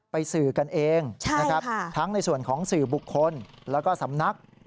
สื่อกันเองนะครับทั้งในส่วนของสื่อบุคคลแล้วก็สำนัก